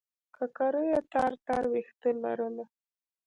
ککرۍ تار تار وېښته لرله.